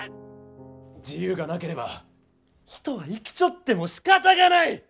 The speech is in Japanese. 自由がなければ人は生きちょってもしかたがない！